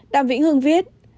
đàm vĩnh hưng viết